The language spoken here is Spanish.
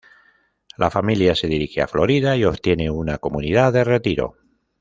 La familia se dirige a Florida, y obtiene una comunidad de retiro.